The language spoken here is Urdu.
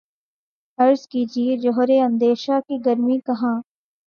عرض کیجے جوہر اندیشہ کی گرمی کہاں